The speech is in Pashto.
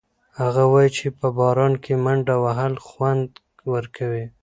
هغه وایي چې په باران کې منډه وهل خوند ورکوي.